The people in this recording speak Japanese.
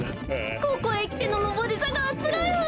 ここへきてののぼりざかはつらいわ！